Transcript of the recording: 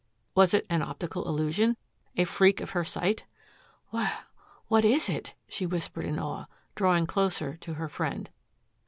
Was it an optical illusion, a freak of her sight? "Wh what is it!" she whispered in awe, drawing closer to her friend.